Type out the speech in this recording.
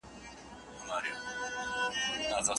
شعر اوس دومره کوچنی شوی دی ملگرو